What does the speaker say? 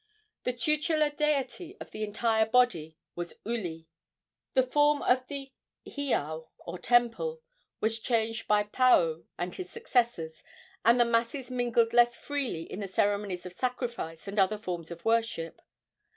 The tutelar deity of the entire body was Uli. The form of the heiau, or temple, was changed by Paao and his successors, and the masses mingled less freely in the ceremonies of sacrifice and other forms of worship.